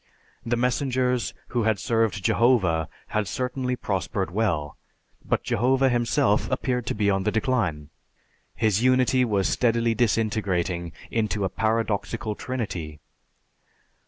The messengers who had served Jehovah had certainly prospered well; but Jehovah Himself appeared to be on the decline. His Unity was steadily disintegrating into a paradoxical Trinity.